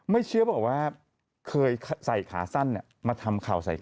ไม่เชื่อบอกว่าเคยใส่ขาสั้นมาทำกระมัดขาวอ่ะ